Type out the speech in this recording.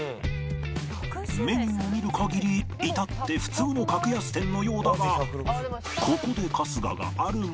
メニューを見る限り至って普通の格安店のようだがここで春日がある文言を発見。